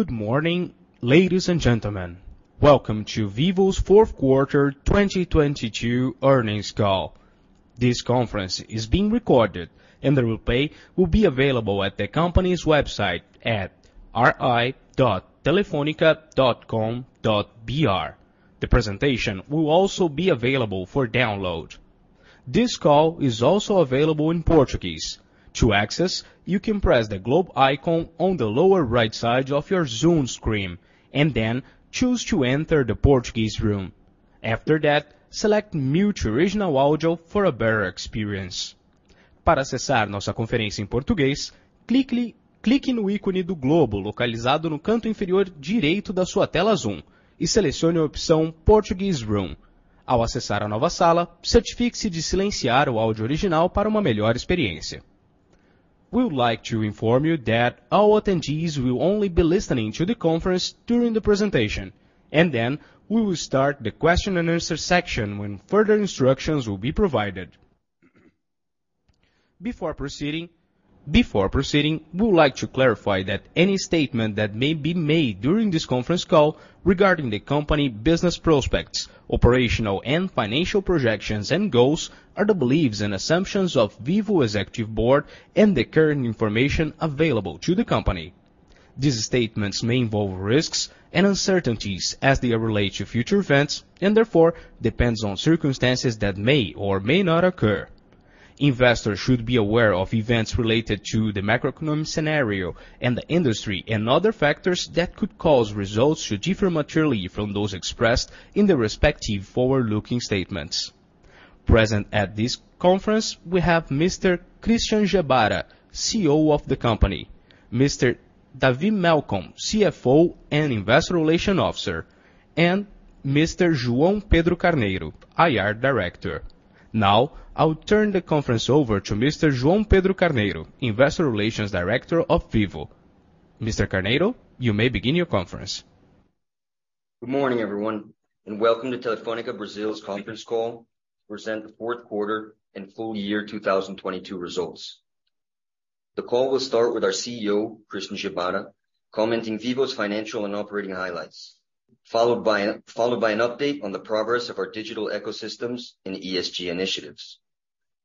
Good morning, ladies and gentlemen. Welcome to Vivo's Q42022 Earnings call. This conference is being recorded, and the replay will be available at the company's website at ri.telefonica.com.br. The presentation will also be available for download. This call is also available in Portuguese. To access, you can press the globe icon on the lower right side of your Zoom screen, and then choose to enter the Portuguese room. After that, select mute original audio for a better experience. Para acessar nossa conferência em português, clique no ícone do globo localizado no canto inferior direito da sua tela Zoom e selecione a opção Portuguese room. Ao acessar a nova sala, certifique-se de silenciar o áudio original para uma melhor experiência. We would like to inform you that all attendees will only be listening to the conference during the presentation, and then we will start the question and answer section when further instructions will be provided. Before proceeding, we would like to clarify that any statement that may be made during this Conference Call regarding the company business prospects, operational and financial projections and goals are the beliefs and assumptions of the Vivo Executive Board and the current information available to the company. These statements may involve risks and uncertainties as they relate to future events, and therefore, depends on circumstances that may or may not occur. Investors should be aware of events related to the macroeconomic scenario and the industry, and other factors that could cause results to differ materially from those expressed in the respective forward-looking statements. Present at this conference, we have Mr. Christian Gebara, CEO of the company, Mr. David Melcon, CFO and Investor Relations Officer, and Mr. João Pedro Carneiro, IR Director. I'll turn the conference over to Mr. João Pedro Carneiro, Investor Relations Director of Vivo. Mr. Carneiro, you may begin your conference. Good morning, everyone, and welcome to Telefônica Brasil's Conference Call to present the Q4 and full-year 2022 results. The call will start with our CEO, Christian Gebara, commenting on Vivo's financial and operating highlights, followed by an update on the progress of our digital ecosystems and ESG initiatives.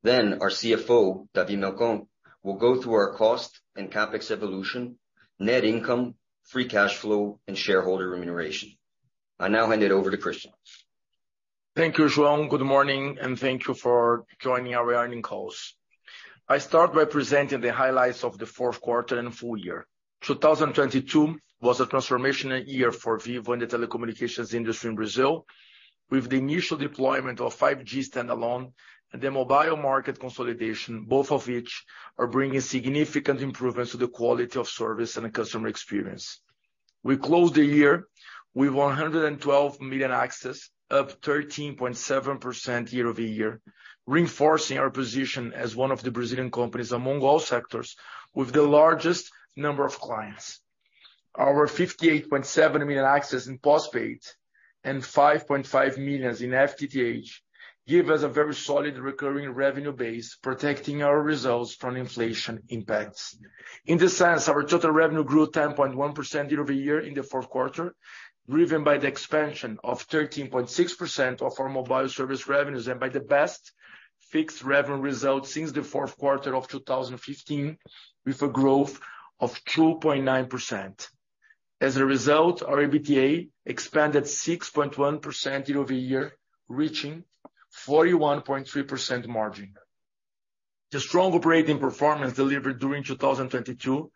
Our CFO, David Melcon, will go through our cost and CapEx evolution, net income, free cash flow, and shareholder remuneration. I now hand it over to Christian. Thank you, João. Good morning. Thank you for joining our earnings calls. I start by presenting the highlights of the Q4 and full-year. 2022 was a transformational year for Vivo in the telecommunications industry in Brazil. With the initial deployment of 5G Standalone and the mobile market consolidation, both of which are bringing significant improvements to the quality of service and the customer experience. We closed the year with 112 million access, up 13.7% year-over-year, reinforcing our position as one of the Brazilian companies among all sectors with the largest number of clients. Our 58.7 million access in postpaid and 5.5 million in FTTH, give us a very solid recurring revenue base, protecting our results from inflation impacts. In this sense, our total revenue grew 10.1% year-over-year in the Q4, driven by the expansion of 13.6% of our mobile service revenues and by the best fixed revenue results since the Q4 of 2015, with a growth of 2.9%. As a result, our EBITDA expanded 6.1% year-over-year, reaching 41.3% margin. The strong operating performance delivered during 2022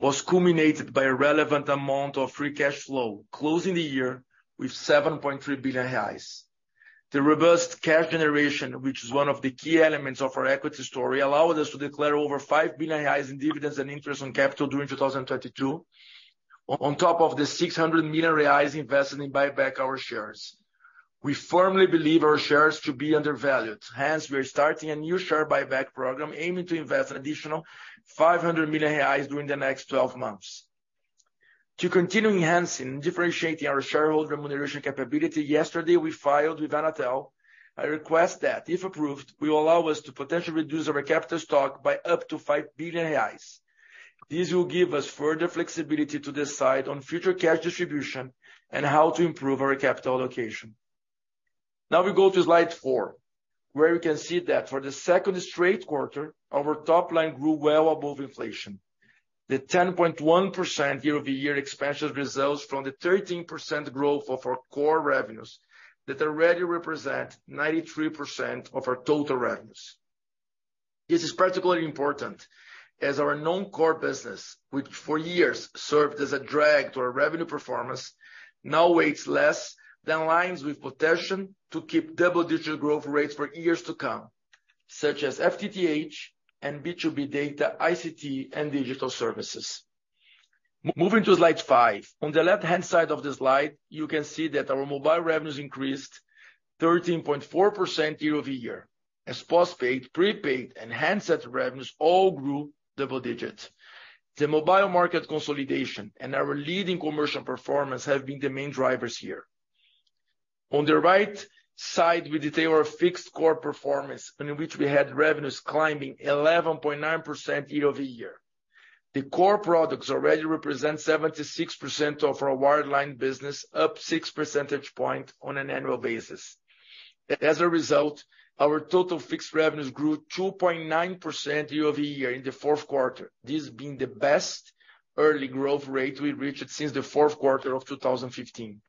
was culminated by a relevant amount of free cash flow, closing the year with 7.3 billion reais. The robust cash generation, which is one of the key elements of our equity story, allowed us to declare over 5 billion reais in dividends and interest on capital during 2022, on top of the 600 million reais invested in buy back our shares. We firmly believe our shares to be undervalued. We are starting a new share buyback program aiming to invest an additional 500 million reais during the next 12 months. To continue enhancing and differentiating our shareholder remuneration capability, yesterday, we filed with Anatel a request that if approved, will allow us to potentially reduce our capital stock by up to 5 billion reais. This will give us further flexibility to decide on future cash distribution and how to improve our capital allocation. We go to slide four, where you can see that for the second straight quarter, our top line grew well above inflation. The 10.1% year-over-year expansion results from the 13% growth of our core revenues that already represent 93% of our total revenues. This is particularly important as our non-core business, which for years served as a drag to our revenue performance, now weighs less than lines with potential to keep double-digit growth rates for years to come, such as FTTH and B2B data, ICT, and digital services. Moving to slide 5. On the left-hand side of the slide, you can see that our mobile revenues increased 13.4% year-over-year, as postpaid, prepaid, and handset revenues all grew double digits. The mobile market consolidation and our leading commercial performance have been the main drivers here. On the right side, we detail our fixed core performance in which we had revenues climbing 11.9% year-over-year. The core products already represent 76% of our wired line business, up 6 percentage point on an annual basis. Our total fixed revenues grew 2.9% year-over-year in the Q4. This being the best early growth rate we reached since the Q4 of 2015.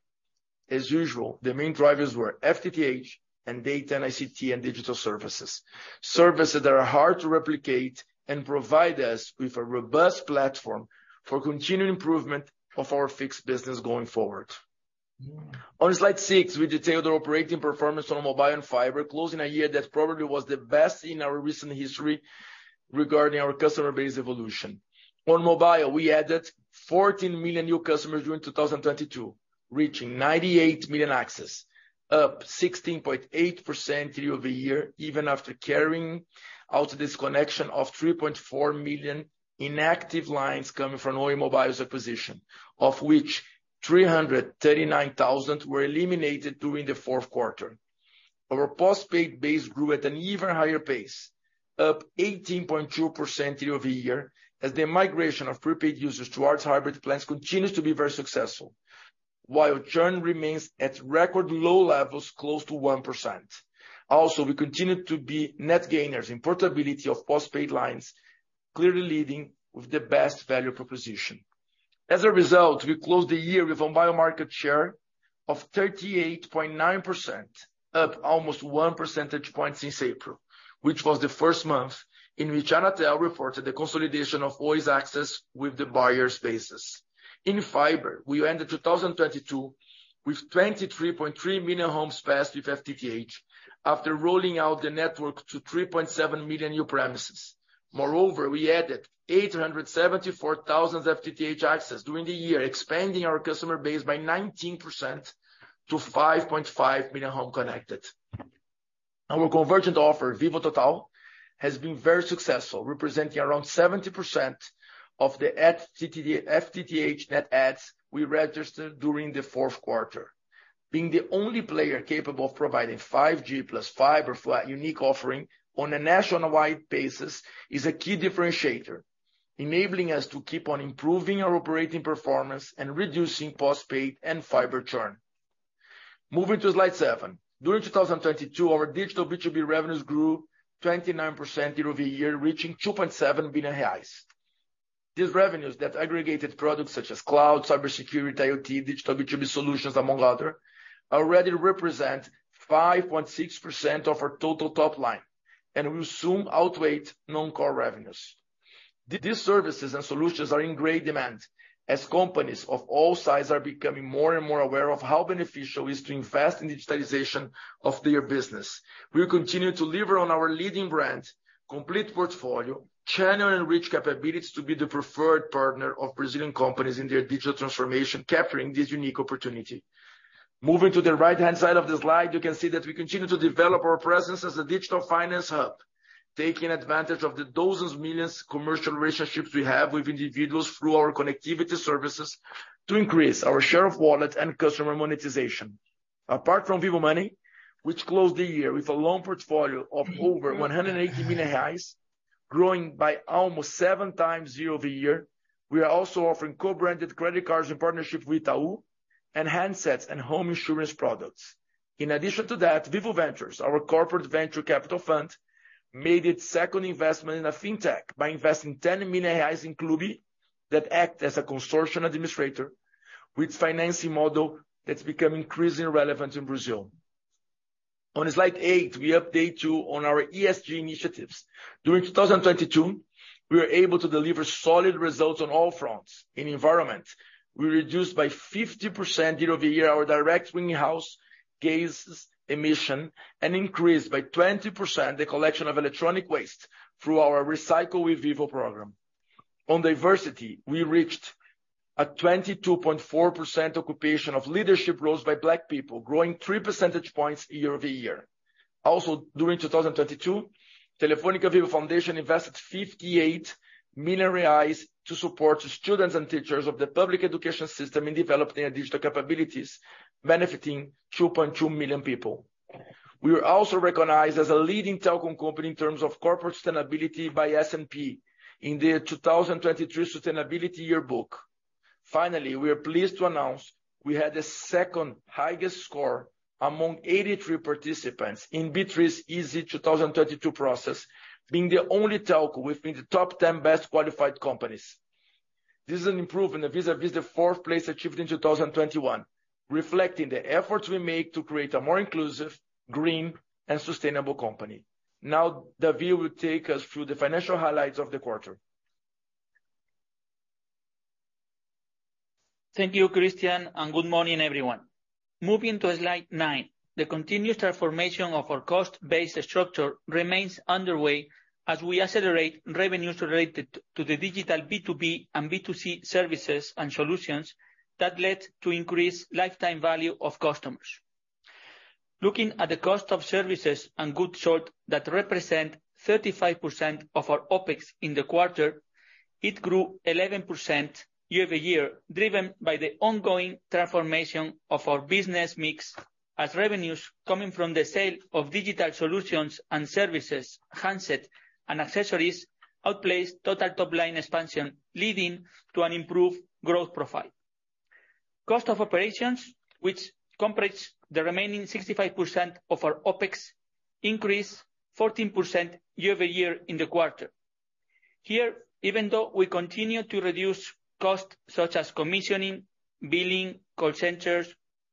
As usual, the main drivers were FTTH and data ICT and digital services. Services that are hard to replicate and provide us with a robust platform for continued improvement of our fixed business going-forward. On Slide 6, we detail the operating performance on mobile and fiber closing a year that probably was the best in our recent history regarding our customer base evolution. On mobile, we added 14 million new customers during 2022, reaching 98 million access, up 16.8% year-over-year, even after carrying out the disconnection of 3.4 million inactive lines coming from Oi Móvel's acquisition, of which 339,000 were eliminated during the Q4. Our postpaid base grew at an even higher pace, up 18.2% year-over-year, as the migration of prepaid users to our hybrid plans continues to be very successful. While churn remains at record low levels, close to 1%. Also, we continue to be net gainers in portability of postpaid lines, clearly leading with the best value proposition. As a result, we closed the year with a mobile market share of 38.9%, up almost 1 percentage point since April, which was the first month in which Anatel reported the consolidation of Oi's access with the buyers' bases. In fiber, we ended 2022 with 23.3 million homes passed with FTTH after rolling out the network to 3.7 million new premises. Moreover, we added 874,000 FTTH access during the year, expanding our customer base by 19% to 5.5 million homes connected. Our convergent offer, Vivo Total, has been very successful, representing around 70% of the add FTTH net adds we registered during the Q4. Being the only player capable of providing 5G plus fiber flat unique offering on a nationwide basis is a key differentiator, enabling us to keep on improving our operating performance and reducing postpaid and fiber churn. Moving to slide 7. During 2022, our digital B2B revenues grew 29% year-over-year, reaching 2.7 billion reais. These revenues that aggregated products such as cloud, cybersecurity, IoT, digital B2B solutions, among other, already represent 5.6% of our total top line and will soon outweigh non-core revenues. These services and solutions are in great demand as companies of all sizes are becoming more and more aware of how beneficial it is to invest in digitalization of their business. We'll continue to deliver on our leading brand, complete portfolio, channel and rich capabilities to be the preferred partner of Brazilian companies in their digital transformation, capturing this unique opportunity. Moving to the right-hand side of the slide, you can see that we continue to develop our presence as a digital finance hub, taking advantage of the dozens of millions of commercial relationships we have with individuals through our connectivity services to increase our share of wallet and customer monetization. Apart from Vivo Money, which closed the year with a loan portfolio of over 180 million reais, growing by almost seven times year-over-year, we are also offering co-branded credit cards in partnership with Itaú and handsets and home insurance products. In addition to that, Vivo Ventures, our corporate venture capital fund, made its second investment in a fintech by investing 10 million reais in Klubi that act as a consortium administrator with financing model that's becoming increasingly relevant in Brazil. On slide 8, we update you on our ESG initiatives. During 2022, we were able to deliver solid results on all fronts. In environment, we reduced by 50% year-over-year our direct greenhouse gas emissions and increased by 20% the collection of electronic waste through our Recycle with Vivo program. On diversity, we reached a 22.4% occupation of leadership roles by Black people, growing 3 percentage points year-over-year. During 2022, Fundação Telefônica Vivo invested 58 million reais to support students and teachers of the public education system in developing their digital capabilities, benefiting 2.2 million people. We were also recognized as a leading telecom company in terms of corporate sustainability by S&P in their 2023 sustainability yearbook. We are pleased to announce we had the second-highest score among 83 participants in B3's ESG 2022 process, being the only telco within the top 10 best-qualified companies. This is an improvement vis-à-vis the fourth place achieved in 2021, reflecting the efforts we make to create a more inclusive, green, and sustainable company. David will take us through the financial highlights of the quarter. Thank you, Christian. Good morning, everyone. Moving to slide 9, the continued transformation of our cost-based structure remains underway as we accelerate revenues related to the digital B2B and B2C services and solutions that led to increased lifetime value of customers. Looking at the cost of services and goods sold that represent 35% of our OpEx in the quarter, it grew 11% year-over-year, driven by the ongoing transformation of our business mix as revenues coming from the sale of digital solutions and services, handset, and accessories outpaced total top-line expansion, leading to an improved growth profile. Cost of operations, which comprise the remaining 65% of our OpEx, increased 14% year-over-year in the quarter. Here, even though we continue to reduce costs such as commissioning, billing, call centers,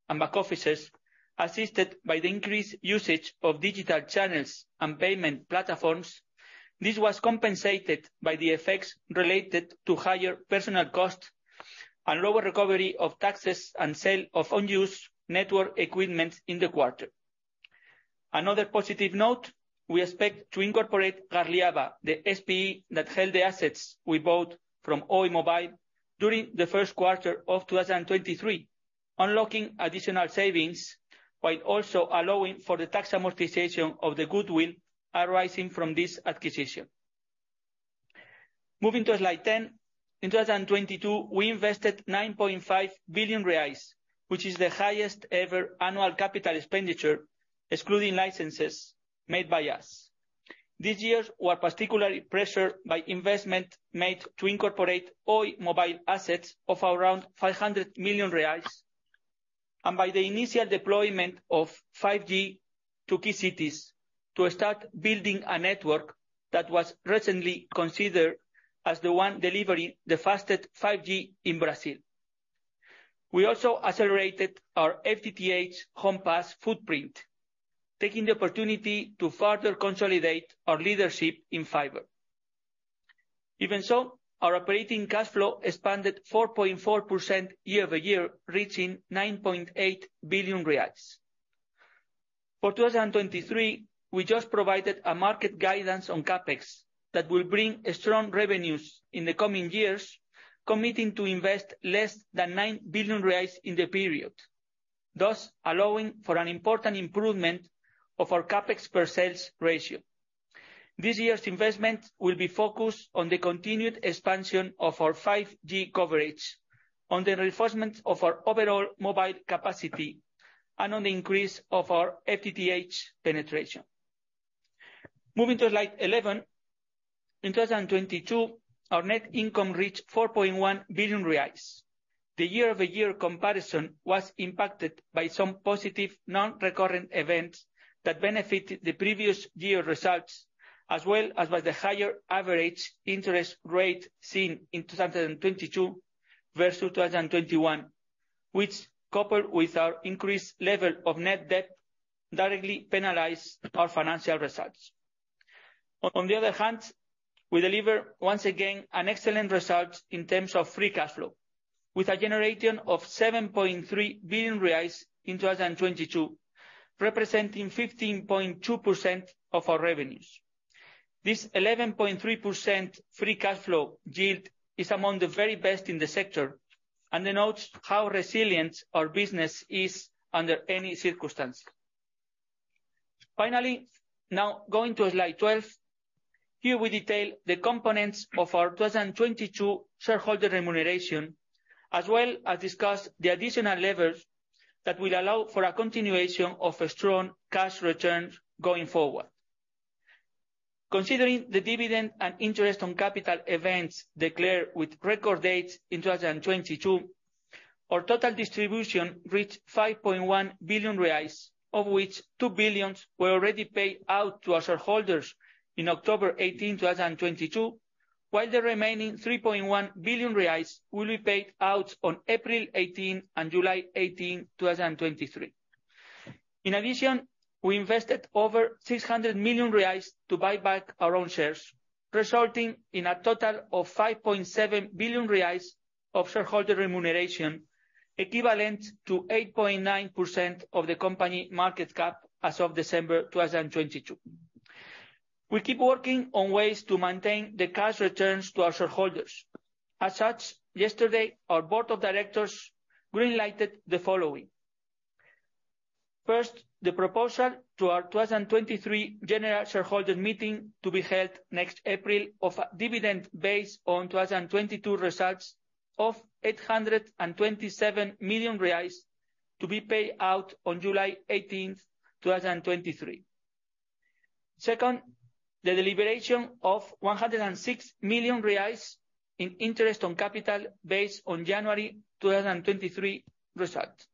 and back offices, assisted by the increased usage of digital channels and payment platforms, this was compensated by the effects related to higher personal costs and lower recovery of taxes and sale of unused network equipment in the quarter. Another positive note, we expect to incorporate Garliava, the SPE that held the assets we bought from Oi Móvel during the Q1 of 2023, unlocking additional savings while also allowing for the tax amortization of the goodwill arising from this acquisition. Moving to slide 10. In 2022, we invested 9.5 billion reais, which is the highest ever annual CapEx, excluding licenses, made by us. These years were particularly pressured by investment made to incorporate Oi Móvel assets of around 500 million reais, and by the initial deployment of 5G to key cities to start building a network that was recently considered as the one delivering the fastest 5G in Brazil. We also accelerated our FTTH Compass footprint, taking the opportunity to further consolidate our leadership in fiber. Our operating cash flow expanded 4.4% year-over-year, reaching 9.8 billion reais. For 2023, we just provided a market guidance on CapEx that will bring strong revenues in the coming years, committing to invest less than 9 billion reais in the period, thus allowing for an important improvement of our CapEx per sales ratio. This year's investment will be focused on the continued expansion of our 5G coverage, on the reinforcement of our overall mobile capacity, and on the increase of our FTTH penetration. Moving to slide 11. In 2022, our net income reached 4.1 billion reais. The year-over-year comparison was impacted by some positive non-recurrent events that benefited the previous year results, as well as by the higher average interest rate seen in 2022 versus 2021, which coupled with our increased level of net debt, directly penalized our financial results. On the other hand, we deliver once again an excellent result in terms of free cash flow, with a generation of 7.3 billion reais in 2022, representing 15.2% of our revenues. This 11.3% free cash flow yield is among the very best in the sector and denotes how resilient our business is under any circumstance. Now going to slide 12. Here we detail the components of our 2022 shareholder remuneration, as well as discuss the additional levers that will allow for a continuation of a strong cash return going-forward. Considering the dividend and interest on capital events declared with record date in 2022, our total distribution reached 5.1 billion reais, of which 2 billion were already paid out to our shareholders in October 18th, 2022, while the remaining 3.1 billion reais will be paid out on April 18th and July 18th, 2023. In addition, we invested over 600 million reais to buy back our own shares, resulting in a total of 5.7 billion reais of shareholder remuneration, equivalent to 8.9% of the company market cap as of December 2022. We keep working on ways to maintain the cash returns to our shareholders. As such, yesterday, our board of directors green-lighted the following. First, the proposal to our 2023 general shareholder meeting to be held next April of a dividend based on 2022 results of 827 million reais to be paid out on July 18th, 2023. Second, the deliberation of 106 million reais in interest on capital based on January 2023 results.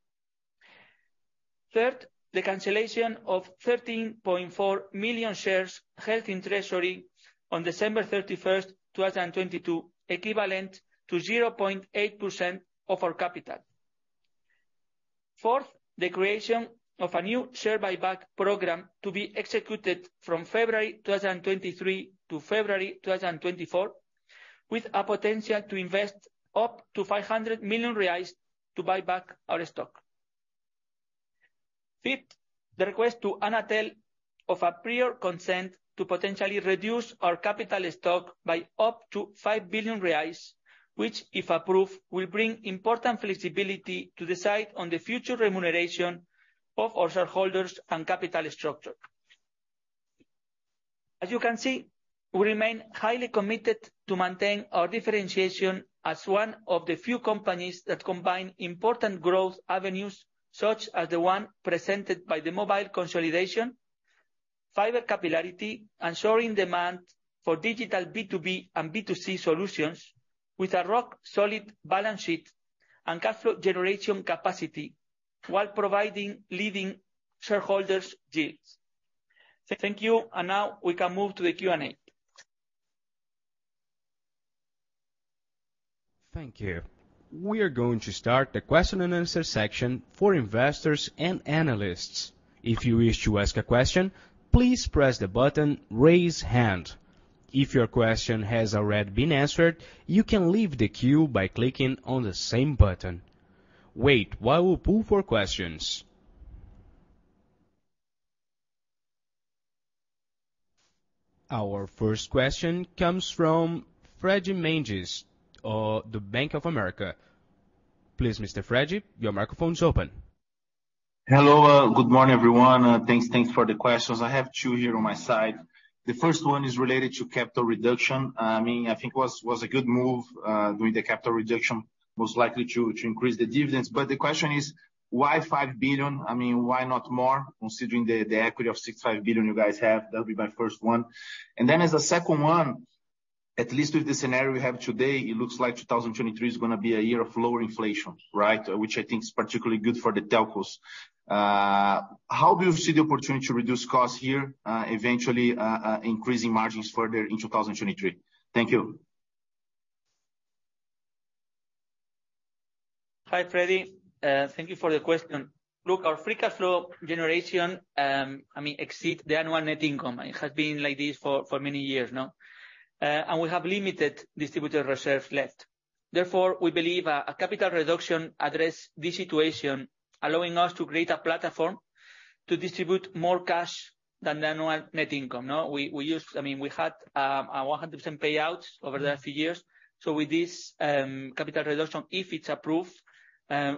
Third, the cancellation of 13.4 million shares held in treasury on December 31st, 2022, equivalent to 0.8% of our capital. Fourth, the creation of a new share buyback program to be executed from February 2023 to February 2024, with a potential to invest up to 500 million reais to buy back our stock. Fifth, the request to Anatel of a prior consent to potentially reduce our capital stock by up to 5 billion reais, which if approved, will bring important flexibility to decide on the future remuneration of our shareholders and capital structure. As you can see, we remain highly committed to maintain our differentiation as one of the few companies that combine important growth avenues, such as the one presented by the mobile consolidation, fiber capillarity, and soaring demand for digital B2B and B2C solutions with a rock solid balance sheet and cash flow generation capacity while providing leading shareholders deals. Thank you. Now we can move to the Q&A. Thank you. We are going to start the question and answer section for investors and analysts. If you wish to ask a question, please press the button raise hand. If your question has already been answered, you can leave the queue by clicking on the same button. Wait while we pull for questions. Our first question comes from Fredy Menge of the Bank of America. Please, Mr. Fredy, your microphone is open. Hello. Good morning, everyone. Thanks. Thanks for the questions. I have two here on my side. The first one is related to capital reduction. I mean, I think was a good move, doing the capital reduction, most likely to increase the dividends. The question is why 5 billion? I mean, why not more considering the equity of 65 billion you guys have? That'll be my first one. As a second one, at least with the scenario we have today, it looks like 2023 is gonna be a year of lower inflation, right? Which I think is particularly good for the telcos. How do you see the opportunity to reduce costs here, eventually, increasing margins further in 2023? Thank you. Hi, Fredy. Thank you for the question. Look, our free cash flow generation, I mean, exceeds the annual net income. It has been like this for many years now. We have limited distributor reserves left. Therefore, we believe a capital reduction address this situation, allowing us to create a platform to distribute more cash than the annual net income, no? I mean, we had a 100% payouts over the last few years. With this capital reduction, if it's approved,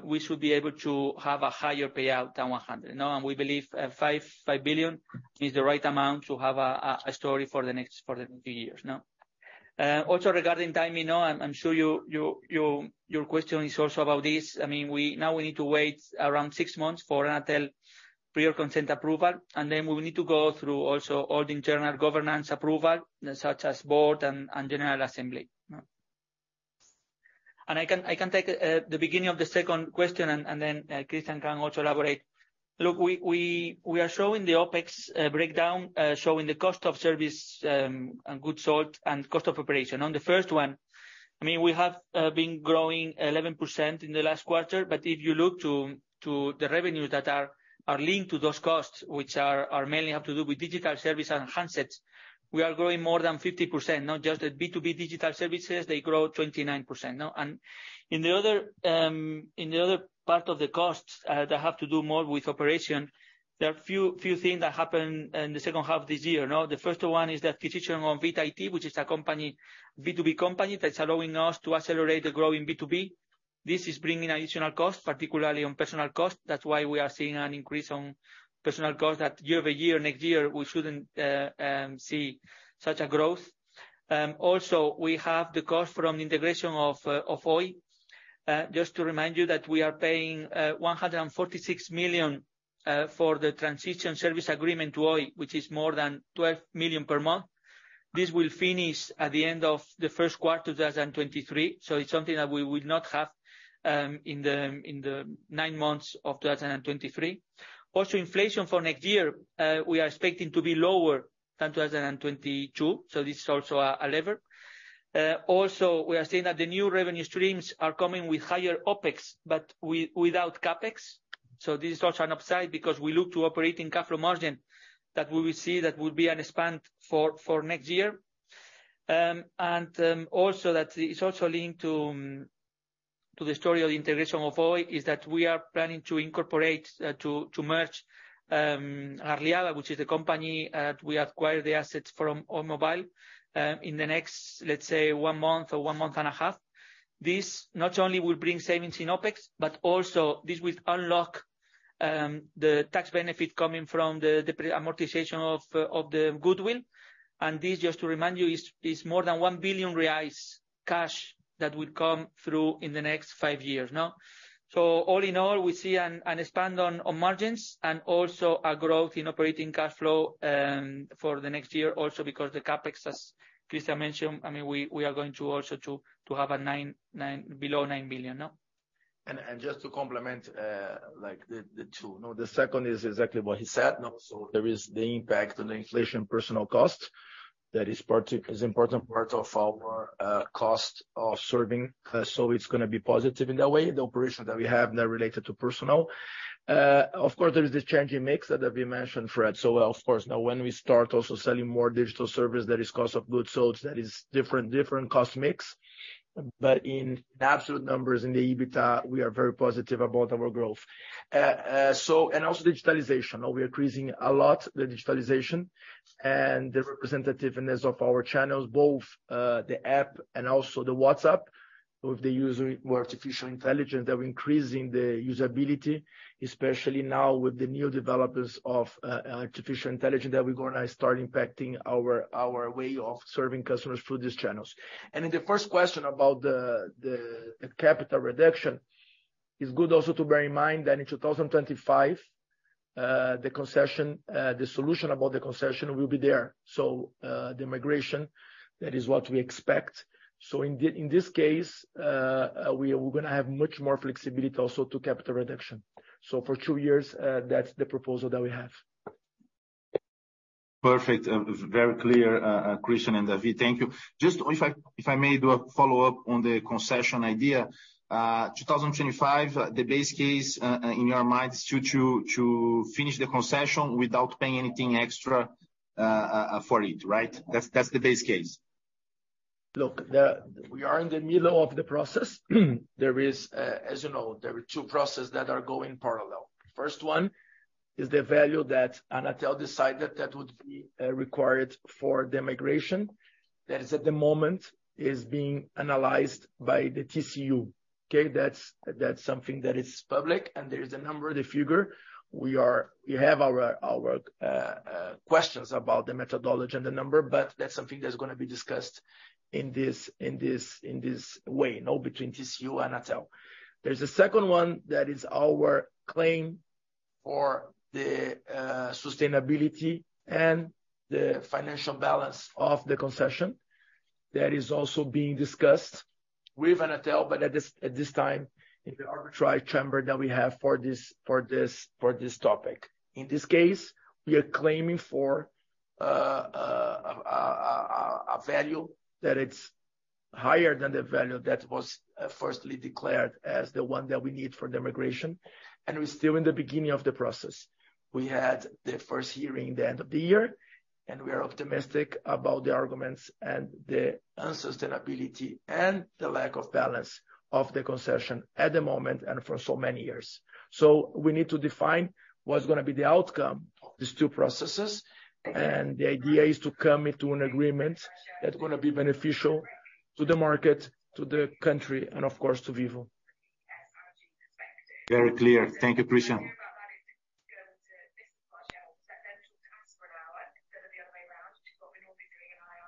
we should be able to have a higher payout than 100%, you know? We believe 5 billion is the right amount to have a story for the next few years, you know? Also regarding timing, no? I'm sure your question is also about this. I mean, we need to wait around 6 months for Anatel prior consent approval, we will need to go through also all the internal governance approval, such as board and general assembly, no? I can take the beginning of the 2nd question and then Christian can also elaborate. Look, we are showing the OpEx breakdown showing the cost of service and goods sold and cost of operation. On the 1st one, I mean, we have been growing 11% in the last quarter. If you look to the revenues that are linked to those costs, which are mainly have to do with digital service and handsets, we are growing more than 50%, not just the B2B digital services, they grow 29%. In the other, in the other part of the costs that have to do more with operation, there are few things that happened in the second half this year. The first one is the acquisition on Vita IT, which is a company, B2B company that's allowing us to accelerate the growth in B2B. This is bringing additional costs, particularly on personal costs. That's why we are seeing an increase on personal costs that year-over-year. Next year, we shouldn't see such a growth. Also, we have the cost from integration of Oi. Just to remind you that we are paying 146 million for the transition service agreement to Oi, which is more than 12 million per month. This will finish at the end of the Q1, 2023. It's something that we would not have in the nine months of 2023. Also, inflation for next year, we are expecting to be lower than 2022. This is also a lever. Also we are seeing that the new revenue streams are coming with higher OpEx, but without CapEx. This is also an upside because we look to operating cash flow margin that we will see that will be an expand for next year. Also that's... it's also linked to the story of the integration of Oi, is that we are planning to incorporate, to merge, Garliava which is a company that we acquired the assets from Oi Móvel, in the next, let's say one month or one month and a half. This not only will bring savings in OpEx, but also this will unlock the tax benefit coming from the amortization of the goodwill. This, just to remind you, is more than 1 billion reais cash that will come through in the next five years, no? All in all, we see an expand on margins and also a growth in operating cash flow for the next year also because the CapEx, as Christian mentioned, I mean, we are going to also to have below 9 billion, no? just to complement the two, no? The second is exactly what he said, no? there is the impact on the inflation personal cost that is important part of our cost of serving. it's gonna be positive in that way, the operations that we have that are related to personnel. of course, there is this change in mix that we mentioned, Fred. of course, now when we start also selling more digital service, there is cost of goods sold, that is different cost mix. in absolute numbers in the EBITDA, we are very positive about our growth. so... also digitalization. Now we are increasing a lot, the digitalization and the representativeness of our channels, both the app and also WhatsApp. Of the user, more artificial intelligence that we're increasing the usability, especially now with the new developments of artificial intelligence that we're going to start impacting our way of serving customers through these channels. In the first question about the capital reduction, it's good also to bear in mind that in 2025, the concession, the solution about the concession will be there. The migration, that is what we expect. In this case, we're going to have much more flexibility also to capital reduction. For two years, that's the proposal that we have. Perfect. Very clear, Christian and David. Thank you. Just if I may do a follow-up on the concession idea, 2025, the base case, in your mind is to finish the concession without paying anything extra for it, right? That's the base case. Look, we are in the middle of the process. There is, as you know, there are two processes that are going parallel. First one is the value that Anatel decided that would be required for the migration. That is at the moment, is being analyzed by the TCU. Okay, that's something that is public, and there is a number of the figure. We have our questions about the methodology and the number, but that's something that's gonna be discussed in this way, you know, between TCU and Anatel. There's a second one that is our claim for the sustainability and the financial balance of the concession. That is also being discussed with Anatel, but at this time, in the arbitrary chamber that we have for this topic. In this case, we are claiming for a value that it's higher than the value that was firstly declared as the one that we need for the migration. We're still in the beginning of the process. We had the first hearing the end of the year, we are optimistic about the arguments and the unsustainability and the lack of balance of the concession at the moment and for so many years. We need to define what's gonna be the outcome, these 2 processes, and the idea is to come into an agreement that's gonna be beneficial to the market, to the country, and of course, to Vivo. Very clear. Thank you, Christian.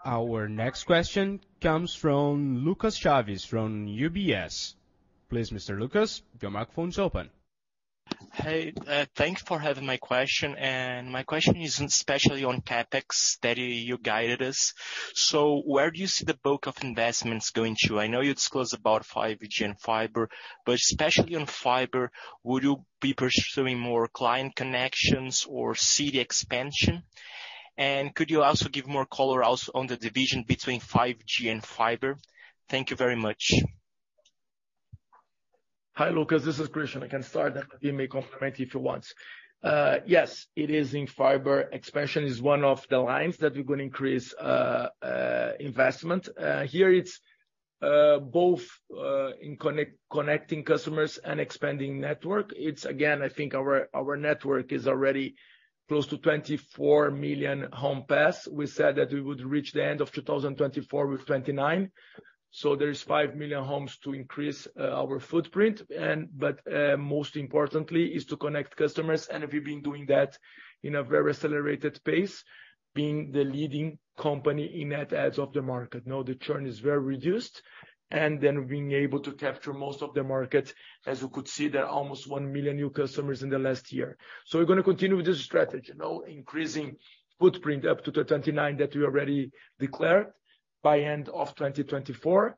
Our next question comes from Lucas Teremossi, from UBS. Please, Mr. Lucas, your microphone is open. Hey, thank you for having my question, my question is especially on CapEx that you guided us. Where do you see the bulk of investments going to? I know you disclosed about 5G and fiber, but especially on fiber, would you be pursuing more client connections or CD expansion? Could you also give more color also on the division between 5G and fiber? Thank you very much. Hi, Lucas. This is Christian. I can start. You may complement if you want. Yes, it is in fiber. Expansion is one of the lines that we're gonna increase investment. Here it's both in connecting customers and expanding network. It's again, I think our network is already close to 24 million homes pass. We said that we would reach the end of 2024 with 29. There is 5 million homes to increase our footprint. Most importantly, is to connect customers. We've been doing that in a very accelerated pace, being the leading company in net adds of the market. Now, the churn is very reduced, being able to capture most of the market. As you could see, there are almost 1 million new customers in the last year. We're gonna continue with this strategy, you know, increasing footprint up to the 29 that we already declared by end of 2024,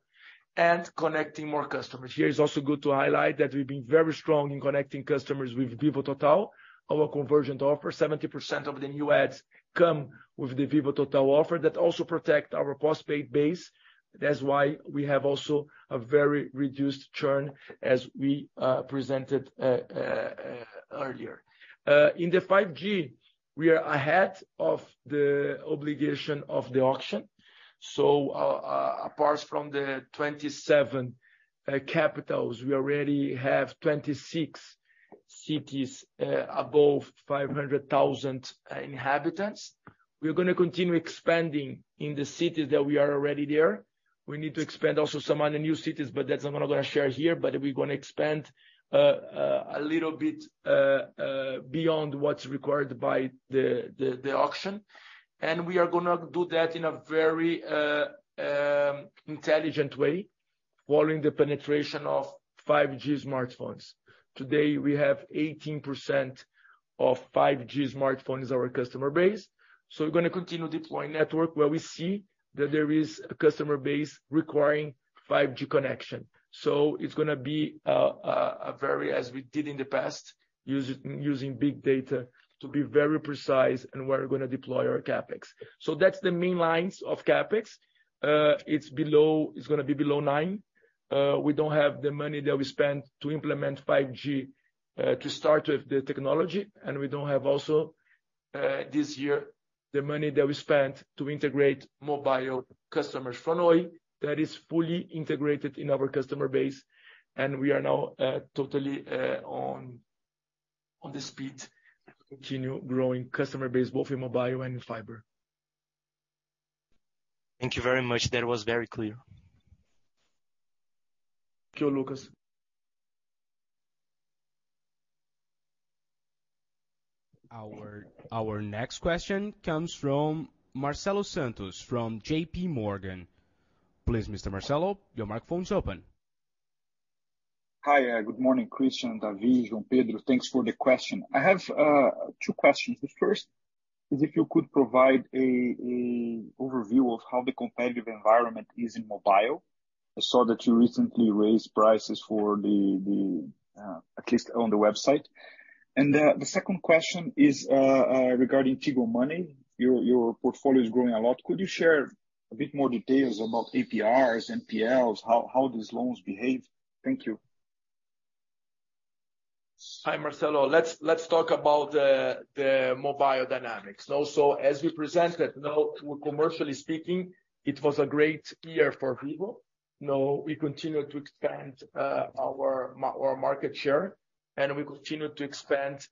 and connecting more customers. Here is also good to highlight that we've been very strong in connecting customers with Vivo Total, our convergent offer. 70% of the new adds come with the Vivo Total offer that also protect our post-paid base. That's why we have also a very reduced churn as we presented earlier. In the 5G, we are ahead of the obligation of the auction. Apart from the 27 capitals, we already have 26 cities above 500,000 inhabitants. We're gonna continue expanding in the cities that we are already there. We need to expand also some other new cities, but that's not what I'm gonna share here. We're gonna expand a little bit beyond what's required by the auction. We are gonna do that in a very intelligent way, following the penetration of 5G smartphones. Today, we have 18% of 5G smartphones as our customer base. We're gonna continue deploying network where we see that there is a customer base requiring 5G connection. It's gonna be a very, as we did in the past, using big data to be very precise, and we're gonna deploy our CapEx. That's the main lines of CapEx. It's gonna be below 9. We don't have the money that we spent to implement 5G to start with the technology. we don't have also, this year, the money that we spent to integrate mobile customers for Oi, that is fully integrated in our customer base. we are now, totally, on the speed to continue growing customer base, both in mobile and in fiber. Thank you very much. That was very clear. Thank you, Lucas. Our next question comes from Marcelo Santos from JP Morgan. Please, Mr. Marcelo, your microphone is open. Hi, good morning, Christian, David, Pedro. Thanks for the question. I have two questions. The first is if you could provide a overview of how the competitive environment is in mobile. I saw that you recently raised prices for the at least on the website. The second question is regarding Vivo Money. Your portfolio is growing a lot. Could you share a bit more details about APRs, NPLs, how these loans behave? Thank you. Hi, Marcelo. Let's talk about the mobile dynamics. Also, as we presented, you know, commercially speaking, it was a great year for Vivo. We continue to expand our market share, and we continue to expand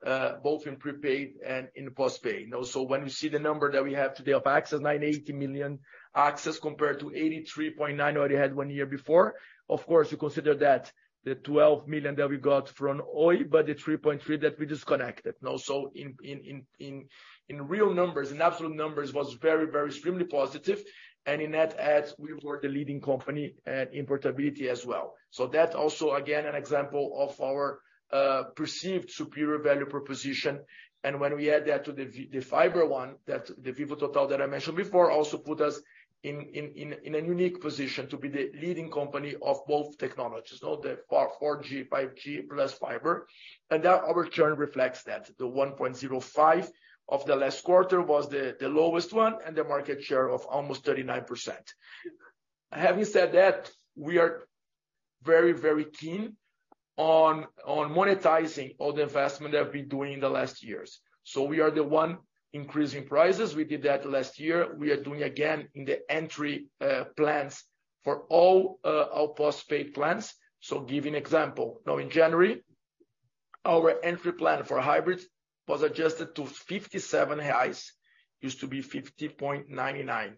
both in prepaid and in postpaid. You know, when you see the number that we have today of access, 980 million access compared to 83.9 that we had one year before. Of course, you consider that the 12 million that we got from Oi, but the 3.3 that we disconnected. Also in real numbers, in absolute numbers, was very extremely positive. In that ads, we were the leading company in portability as well. That's also again, an example of our perceived superior value proposition. When we add that to the fiber one, that the Vivo Total that I mentioned before, also put us in a unique position to be the leading company of both technologies. You know, the 4G, 5G plus fiber. Our return reflects that. The 1.05 of the last quarter was the lowest one and the market share of almost 39%. Having said that, we are very keen on monetizing all the investment that we're doing in the last years. We are the one increasing prices. We did that last year. We are doing again in the entry plans for all our postpaid plans. Give you an example. Now in January, our entry plan for hybrids was adjusted to 57 reais. It used to be 50.99.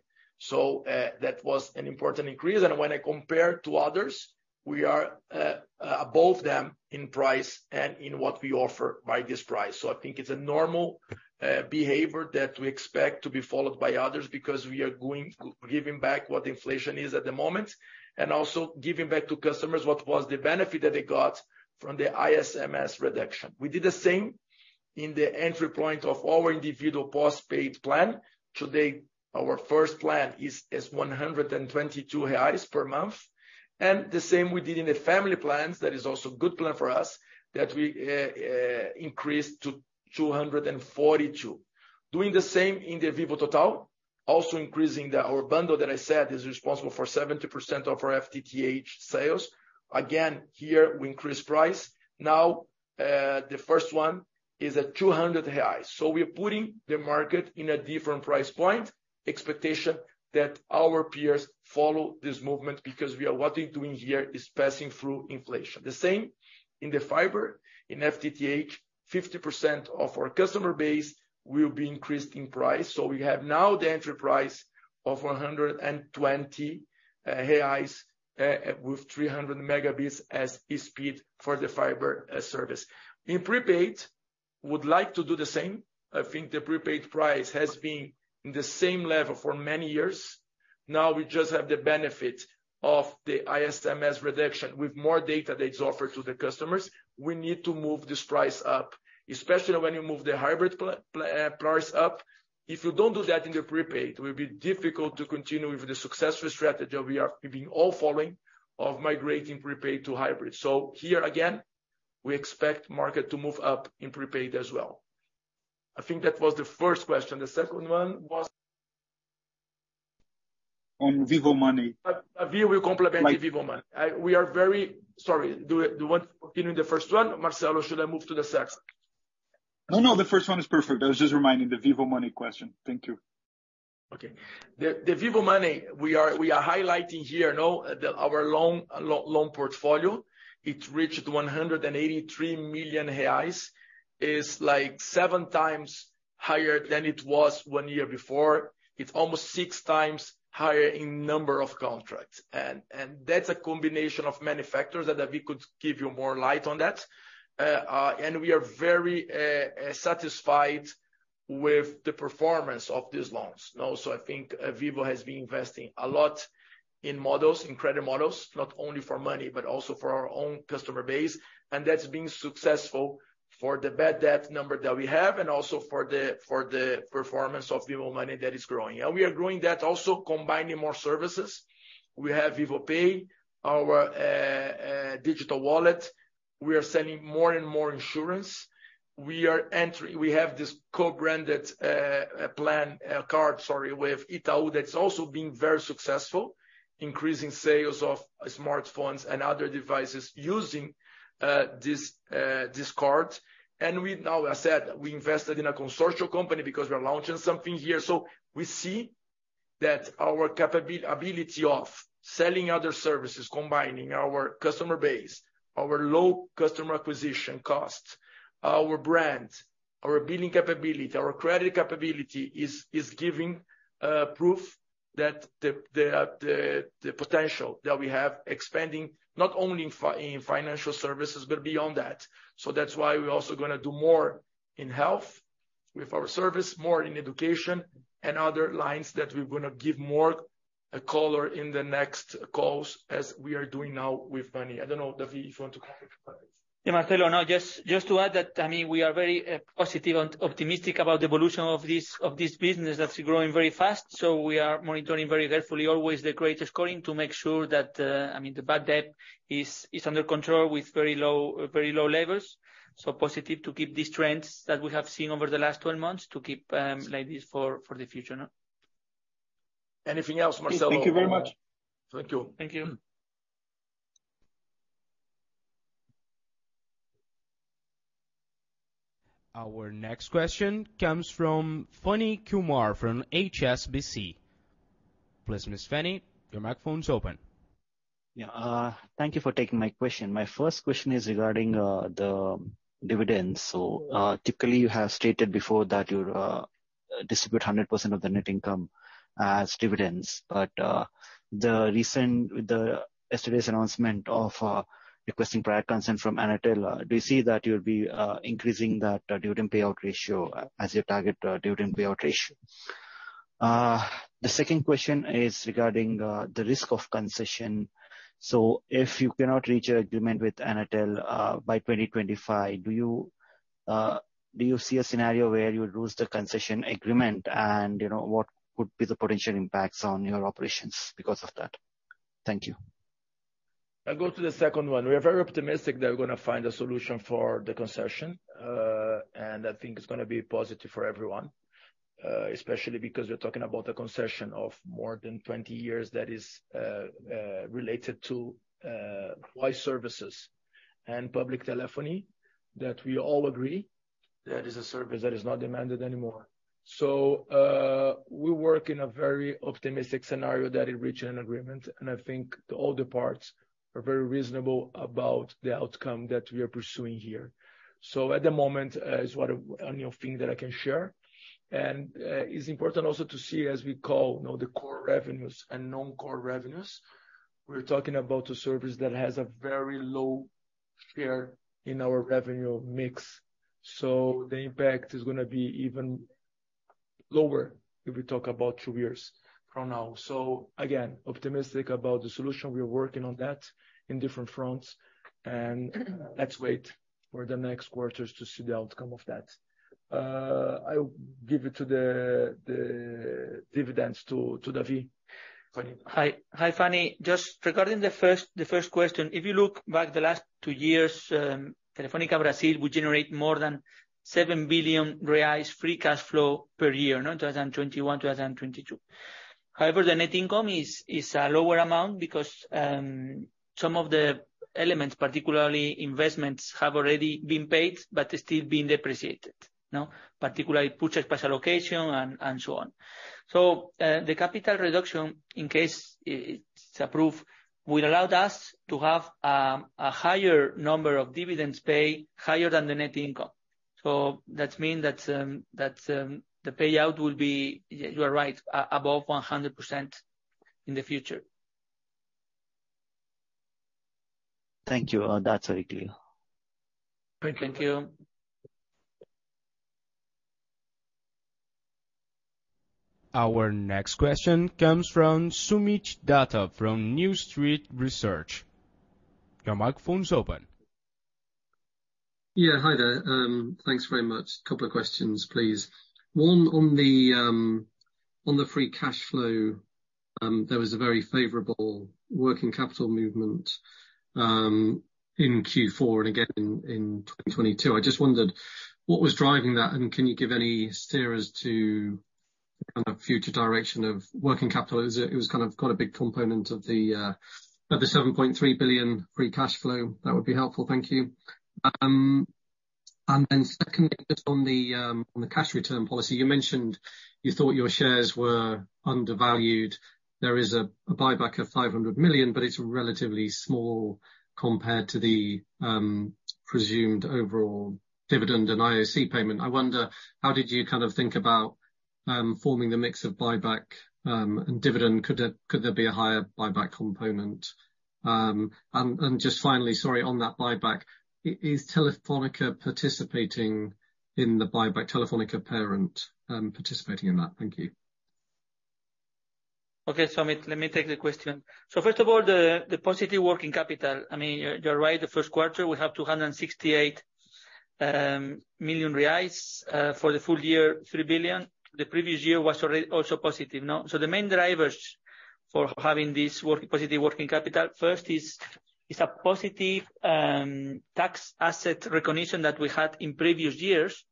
That was an important increase. When I compare to others, we are above them in price and in what we offer by this price. I think it's a normal behavior that we expect to be followed by others because we are giving back what inflation is at the moment, and also giving back to customers what was the benefit that they got from the ICMS reduction. We did the same in the entry point of our individual postpaid plan. Today, our first plan is 122 reais per month. The same we did in the family plans, that is also a good plan for us, that we increased to 242. Doing the same in the Vivo Total, also increasing Our bundle that I said is responsible for 70% of our FTTH sales. Again, here we increase price. The first one is at 200 reais. We're putting the market in a different price point, expectation that our peers follow this movement because what we're doing here is passing through inflation. In the fiber, in FTTH, 50% of our customer base will be increased in price. We have now the entry price of 120 reais with 300 megabits as a speed for the fiber service. Would like to do the same. I think the prepaid price has been the same level for many years. We just have the benefit of the ICMS reduction with more data that's offered to the customers. We need to move this price up, especially when you move the hybrid price up. If you don't do that in the prepaid, it will be difficult to continue with the successful strategy that we are, we've been all following of migrating prepaid to hybrid. Here again, we expect market to move up in prepaid as well. I think that was the first question. The second one was- On Vivo Money. We will complement the Vivo Money. We are very. Sorry. Do you want continue the first one, Marcelo? Should I move to the second? No, no. The first one is perfect. I was just reminding the Vivo Money question. Thank you. Okay. The Vivo Money, we are highlighting here now that our loan portfolio, it reached 183 million reais. Is like seven times higher than it was one year before. It's almost six times higher in number of contracts. That's a combination of many factors that David could give you more light on that. We are very satisfied with the performance of these loans. Also, I think Vivo has been investing a lot in models, in credit models, not only for money, but also for our own customer base. That's been successful for the bad debt number that we have and also for the performance of Vivo Money that is growing. We are growing that also combining more services. We have Vivo Pay, our digital wallet. We are selling more and more insurance. We have this co-branded plan card, sorry, with Itaú that's also been very successful, increasing sales of smartphones and other devices using this card. We now, as I said, we invested in a consortium company because we're launching something here. We see that our capability of selling other services, combining our customer base, our low customer acquisition costs, our brand, our billing capability, our credit capability is giving proof that the potential that we have expanding, not only in financial services but beyond that. That's why we're also gonna do more in health with our service, more in education and other lines that we're gonna give more color in the next calls as we are doing now with money. I don't know, David, if you want to comment on this. Yeah, Marcelo, no. Just to add that, I mean, we are very positive and optimistic about the evolution of this, of this business that's growing very fast. We are monitoring very carefully always the greatest scoring to make sure that, I mean, the bad debt is under control with very low levels. Positive to keep these trends that we have seen over the last 12 months to keep like this for the future, no. Anything else, Marcelo? Thank you very much. Thank you. Thank you. Our next question comes from Phani Kanumuri from HSBC. Please, Miss Funny, your microphone is open. Yeah. Thank you for taking my question. My first question is regarding the dividends. Typically, you have stated before that you'll distribute 100% of the net income as dividends. Yesterday's announcement of requesting prior consent from Anatel, do you see that you'll be increasing that dividend payout ratio as your target dividend payout ratio? The second question is regarding the risk of concession. If you cannot reach an agreement with Anatel by 2025, do you see a scenario where you'll lose the concession agreement? You know, what could be the potential impacts on your operations because of that? Thank you. I'll go to the second one. We are very optimistic that we're gonna find a solution for the concession. I think it's gonna be positive for everyone, especially because we're talking about a concession of more than 20 years that is related to wide services and public telephony, that we all agree that is a service that is not demanded anymore. We work in a very optimistic scenario that it reach an agreement. I think all the parts are very reasonable about the outcome that we are pursuing here. At the moment is what only thing that I can share. It's important also to see as we call, you know, the core revenues and non-core revenues. We're talking about a service that has a very low share in our revenue mix. The impact is gonna be even lower if we talk about 2 years from now. Again, optimistic about the solution. We are working on that in different fronts. Let's wait for the next quarters to see the outcome of that. I'll give it to the dividends to David. Hi, Phani. Just regarding the first question. If you look back the last 2 years, Telefônica Brasil would generate more than 7 billion reais free cash flow per year, you know, 2021, 2022. The net income is a lower amount because some of the elements, particularly investments, have already been paid but are still being depreciated, you know. Particularly purchase special location and so on. The capital reduction, in case it's approved, will allowed us to have a higher number of dividends pay, higher than the net income. That mean that the payout will be, you are right, above 100% in the future. Thank you. That's very clear. Thank you. Our next question comes from Soomit Datta from New Street Research. Your microphone's open. Yeah. Hi there. Thanks very much. A couple of questions, please. One on the on the free cash flow, there was a very favorable working capital movement in Q4 and again in 2022. I just wondered what was driving that, and can you give any steer as to kind of future direction of working capital? It was, it was kind of quite a big component of the of the 7.3 billion free cash flow. That would be helpful. Thank you. Secondly, just on the on the cash return policy, you mentioned you thought your shares were undervalued. There is a buyback of 500 million, but it's relatively small compared to the presumed overall dividend and IOC payment. I wonder, how did you kind of think about forming the mix of buyback and dividend? Could there be a higher buyback component? Just finally, sorry, on that buyback, is Telefónica participating in the buyback, Telefónica parent, participating in that? Thank you. Okay, Soomit, let me take the question. First of all, the positive working capital. I mean, you're right. The Q1, we have 268 million reais. For the full-year, 3 billion. The previous year was already also positive, you know? The main drivers for having this positive working capital first is a positive tax asset recognition that we had in previous years.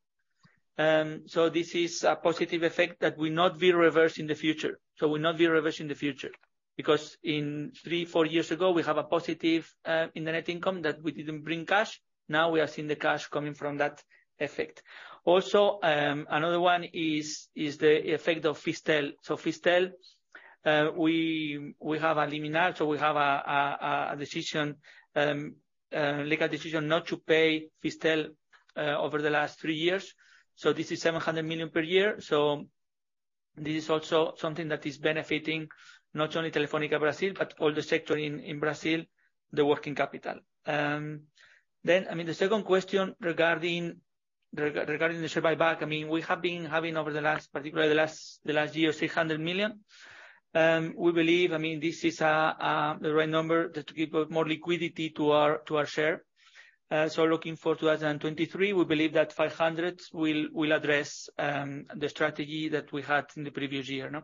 This is a positive effect that will not be reversed in the future. Will not be reversed in the future. Because in 3, 4 years ago, we have a positive in the net income that we didn't bring cash. Now we are seeing the cash coming from that effect. Also, another one is the effect of FISTEL. FISTEL. We have a liminal, we have a decision, legal decision not to pay FISTEL over the last 3 years. This is 700 million per year. This is also something that is benefiting not only Telefônica Brasil, but all the sector in Brazil, the working capital. I mean, the second question regarding the share buyback, I mean, we have been having over the last, particularly the last year, 600 million. We believe, I mean, this is the right number just to give more liquidity to our share. Looking for 2023, we believe that 500 will address the strategy that we had in the previous year, no.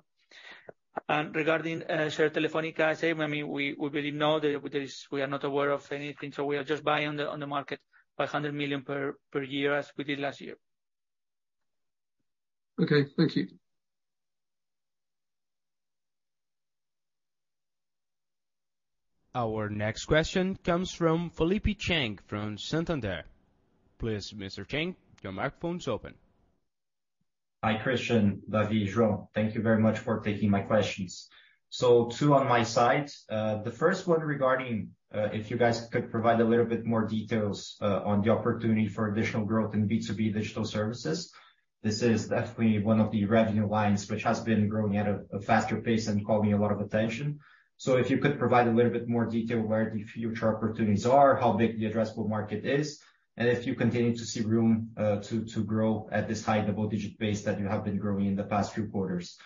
Regarding, I mean, share Telefónica, we believe no, there is, we are not aware of anything, so we are just buying on the market 500 million per year as we did last year. Okay. Thank you. Our next question comes from Felipe Cheng from Santander. Please, Mr. Cheng, your microphone is open. Hi, Christian, David, Pedro. Thank you very much for taking my questions. Two on my side. The first one regarding if you guys could provide a little bit more details on the opportunity for additional growth in B2B digital services. This is definitely one of the revenue lines which has been growing at a faster pace and caught me a lot of attention. If you could provide a little bit more detail where the future opportunities are, how big the addressable market is, and if you continue to see room to grow at this high double-digit pace that you have been growing in the past few quarters.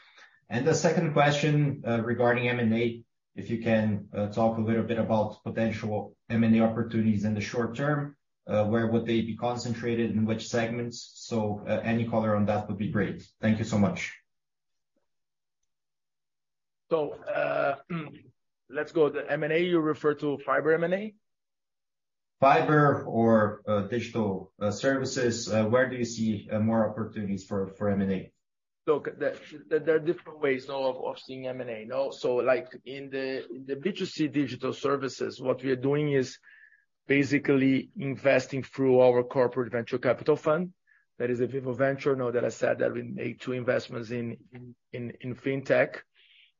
The second question regarding M&A, if you can talk a little bit about potential M&A opportunities in the short term, where would they be concentrated, in which segments? Any color on that would be great. Thank you so much. Let's go. The M&A, you refer to fiber M&A? Fiber or digital services, where do you see more opportunities for M&A? Look, there are different ways, you know, of seeing M&A, you know. Like in the B2C digital services, what we are doing is basically investing through our corporate venture capital fund. That is a Vivo Ventures. Now that I said that we made 2 investments in fintech,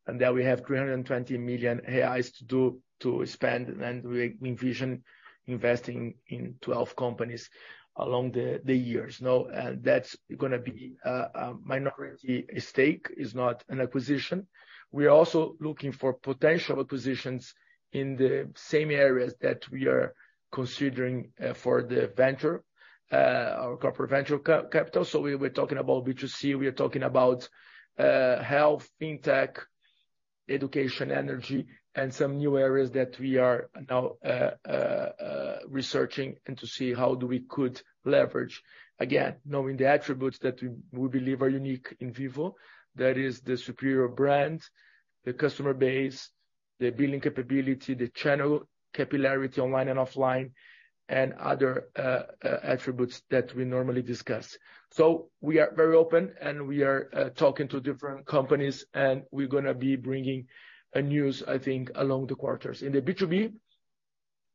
and that we have 320 million AIs to do, to spend, and we envision investing in 12 companies along the years. That's gonna be minority stake. It's not an acquisition. We are also looking for potential acquisitions in the same areas that we are considering for the venture, our corporate venture capital. We were talking about B2C, we are talking about health, fintech, education, energy, and some new areas that we are now researching and to see how do we could leverage. Again, knowing the attributes that we believe are unique in Vivo, that is the superior brand, the customer base, the billing capability, the channel capillarity online and offline, and other attributes that we normally discuss. We are very open, and we are talking to different companies, and we're gonna be bringing news, I think, along the quarters. In the B2B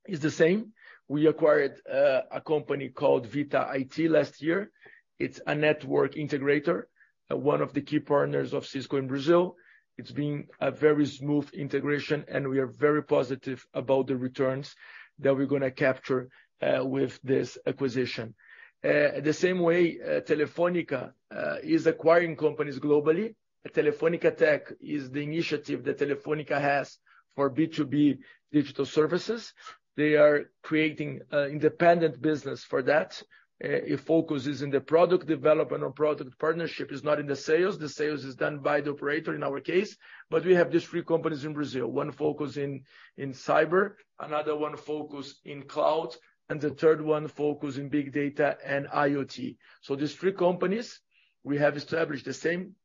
is the same. We acquired a company called Vita IT last year. It's a network integrator, one of the key partners of Cisco in Brazil. It's been a very smooth integration, and we are very positive about the returns that we're gonna capture with this acquisition. The same way, Telefónica is acquiring companies globally. Telefónica Tech is the initiative that Telefónica has for B2B digital services. They are creating independent business for that. It focuses in the product development or product partnership. It's not in the sales. The sales is done by the operator in our case. We have these three companies in Brazil. One focus in cyber, another one focus in cloud, and the third one focus in big data and IoT. These three companies, we have established the same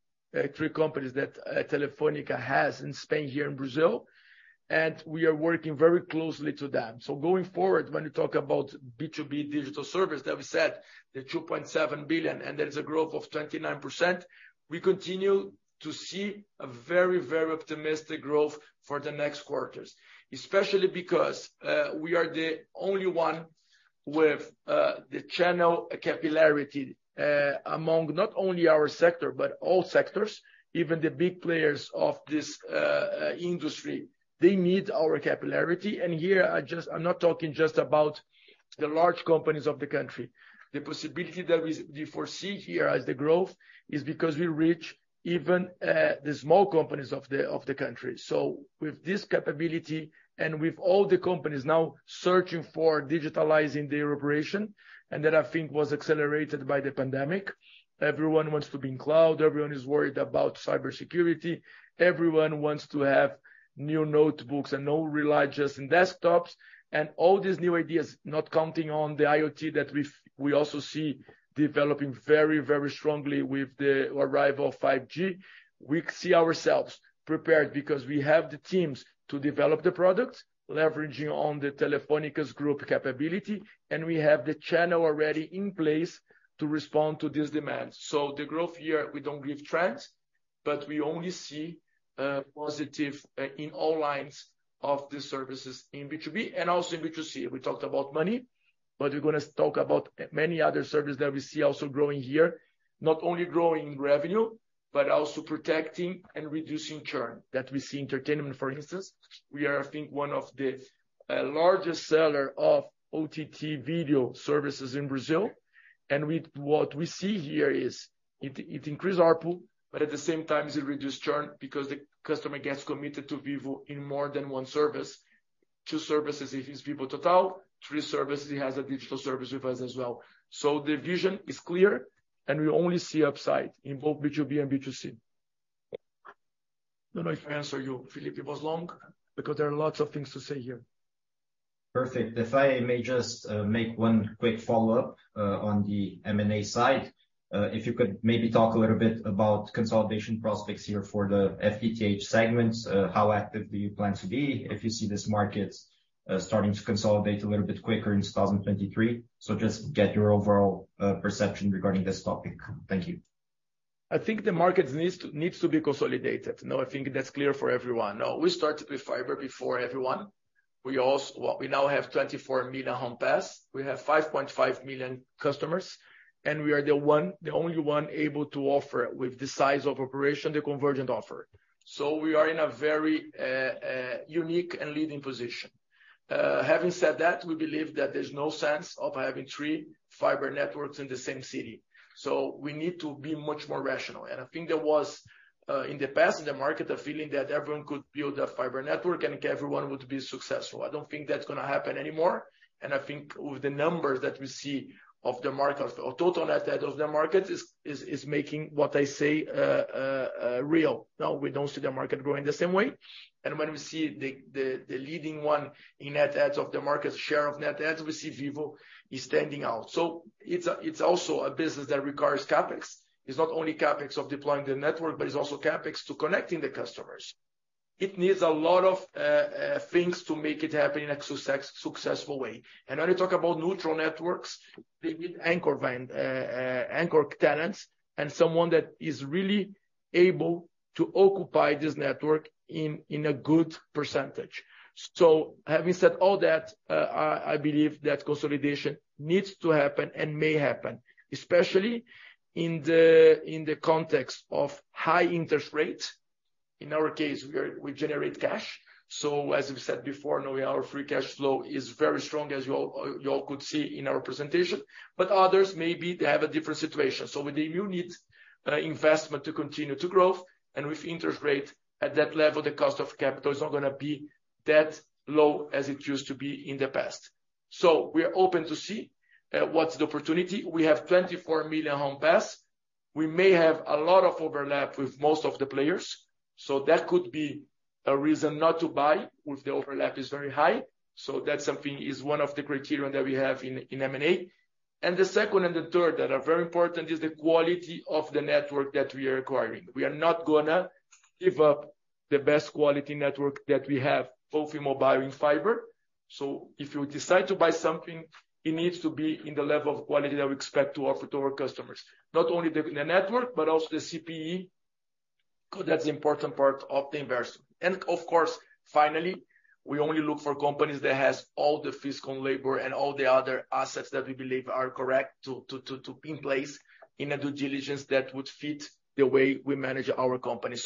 three companies that Telefónica has in Spain here in Brazil, and we are working very closely to them. Going forward, when you talk about B2B digital service, that we said the 2.7 billion, and there is a growth of 29%, we continue to see a very, very optimistic growth for the next quarters. Especially because we are the only one with the channel capillarity among not only our sector, but all sectors, even the big players of this industry. They need our capillarity. Here I'm not talking just about the large companies of the country. The possibility that we foresee here as the growth is because we reach even the small companies of the country. With this capability and with all the companies now searching for digitalizing their operation, and that I think was accelerated by the pandemic, everyone wants to be in cloud, everyone is worried about cybersecurity, everyone wants to have new notebooks and no rely just in desktops, and all these new ideas, not counting on the IoT that we also see developing very, very strongly with the arrival of 5G, we see ourselves prepared because we have the teams to develop the products, leveraging on the Telefónica's group capability, and we have the channel already in place to respond to this demand. The growth here, we don't give trends. We only see positive in all lines of the services in B2B and also in B2C. We talked about money, we're gonna talk about many other services that we see also growing here, not only growing in revenue, but also protecting and reducing churn that we see entertainment. For instance, we are, I think, one of the largest seller of OTT video services in Brazil. What we see here is it increase ARPU, but at the same time, it reduce churn because the customer gets committed to Vivo in more than one service. Two services, if it's Vivo Total. Three services, he has a digital service with us as well. The vision is clear, and we only see upside in both B2B and B2C. I don't know if I answer you, Felipe. It was long because there are lots of things to say here. Perfect. If I may just make one quick follow-up on the M&A side. If you could maybe talk a little bit about consolidation prospects here for the FTTH segments. How active do you plan to be if you see this market starting to consolidate a little bit quicker in 2023? Just get your overall perception regarding this topic. Thank you. I think the market needs to be consolidated. I think that's clear for everyone. We started with fiber before everyone. We now have 24 million homes passed. We have 5.5 million customers, we are the only one able to offer with the size of operation, the convergent offer. We are in a very unique and leading position. Having said that, we believe that there's no sense of having three fiber networks in the same city. We need to be much more rational. I think there was in the past, in the market, a feeling that everyone could build a fiber network, everyone would be successful. I don't think that's gonna happen anymore. I think with the numbers that we see of the market or total net add of the market is making what I say real. Now we don't see the market growing the same way. When we see the leading one in net adds of the market, share of net adds, we see Vivo is standing out. It's also a business that requires CapEx. It's not only CapEx of deploying the network, but it's also the CapEx to connecting the customers. It needs a lot of things to make it happen in a successful way. When you talk about neutral networks, they need anchor tenants and someone that is really able to occupy this network in a good percentage. Having said all that, I believe that consolidation needs to happen and may happen, especially in the context of high interest rates. In our case, we generate cash. As we said before, knowing our free cash flow is very strong, as you all could see in our presentation, but others may be they have a different situation. With the new needs, investment to continue to grow and with interest rates at that level, the cost of capital is not going to be that low as it used to be in the past. We are open to see what's the opportunity. We have 24 million homes passed. We may have a lot of overlap with most of the players. That could be a reason not to buy if the overlap is very high. That's something is one of the criterion that we have in M&A. The second and the third that are very important is the quality of the network that we are acquiring. We are not gonna give up the best quality network that we have both in mobile and fiber. If you decide to buy something, it needs to be in the level of quality that we expect to offer to our customers, not only the network but also the CPE. That's the important part of the investment. Of course, finally, we only look for companies that has all the fiscal and labor and all the other assets that we believe are correct to be in place in a due diligence that would fit the way we manage our company.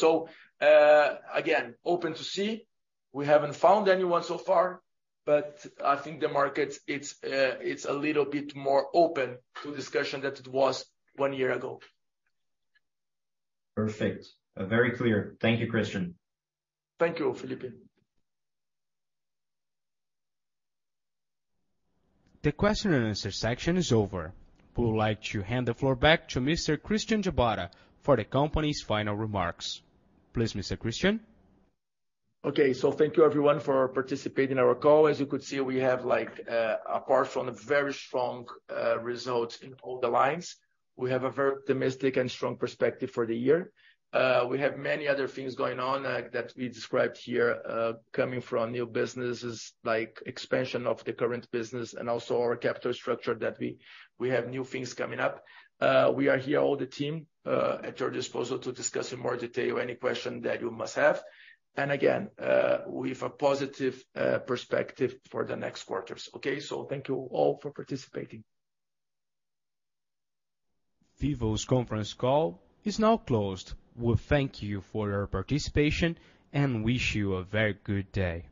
Again, open to see. We haven't found anyone so far. I think the market it's a little bit more open to discussion than it was one year ago. Perfect. Very clear. Thank you, Christian. Thank you, Felipe. The question and answer section is over. We would like to hand the floor back to Mr. Christian Gebara for the company's final remarks. Please, Mr. Christian. Okay. Thank you everyone for participating in our call. As you could see, we have like, apart from the very strong results in all the lines, we have a very domestic and strong perspective for the year. We have many other things going on that we described here coming from new businesses like expansion of the current business and also our capital structure that we have new things coming up. We are here, all the team, at your disposal to discuss in more detail any question that you must have. And again, we've a positive perspective for the next quarters. Okay? Thank you all for participating. Vivo's Conference Call is now closed. We thank you for your participation and wish you a very good day.